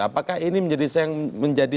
apakah ini menjadi salah satu